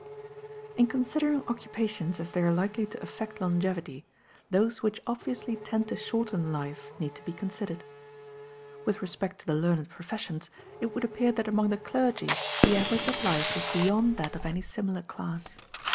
In considering occupations as they are likely to effect longevity, those which obviously tend to shorten life need not be considered. With respect to the learned professions, it would appear that among the clergy the average of life is beyond that of any similar class.